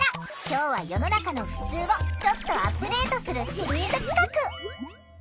今日は世の中の「ふつう」をちょっとアップデートするシリーズ企画。